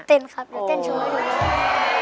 เต้นครับเดี๋ยวเต้นโชว์ให้ดู